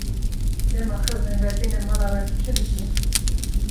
Dema xizmên we têne mala we, tu çi dikî?